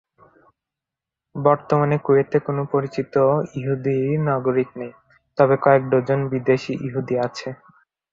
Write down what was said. বর্তমানে কুয়েতে কোন পরিচিত ইহুদি নাগরিক নেই, তবে কয়েক ডজন বিদেশী ইহুদি আছে।